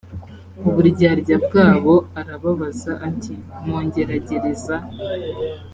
uburyarya bwabo arababaza ati mungeragereza